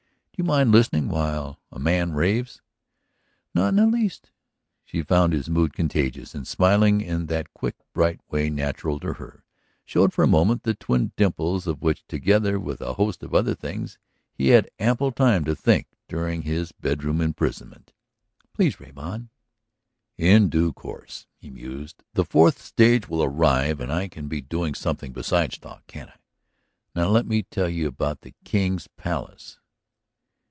... Do you mind listening while a man raves?" "Not in the least." She found his mood contagious and, smiling in that quick, bright way natural to her, showed for a moment the twin dimples of which together with a host of other things he had had ample time to think during his bedroom imprisonment. "Please rave on." "In due course," he mused, "the fourth stage will arrive and I can be doing something besides talk, can't I? Now let me tell you about the King's Palace."